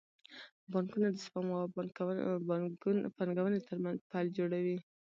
بانکونه د سپما او پانګونې ترمنځ پل جوړوي.